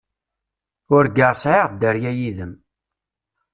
Urgaɣ sɛiɣ dderya yid-m.